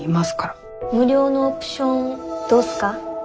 無料のオプションどうっすか？